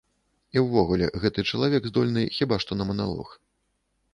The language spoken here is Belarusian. І ўвогуле, гэты чалавек здольны хіба што на маналог.